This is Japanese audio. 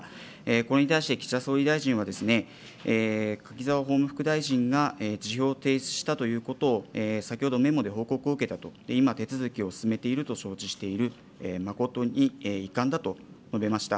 これに対して、岸田総理大臣は、柿沢法務副大臣が辞表を提出したということを、先ほどメモで報告を受けたと、今、手続きを進めていると承知している、誠に遺憾だと述べました。